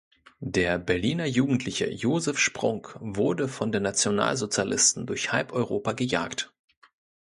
Der Berliner Jugendliche Joseph Sprung wurde von den Nationalsozialisten durch halb Europa gejagt.